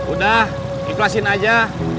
udah ikhlasin aja